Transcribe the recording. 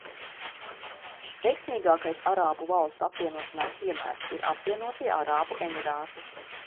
Veiksmīgākais arābu valstu apvienošanās piemērs ir Apvienotie arābu emirāti.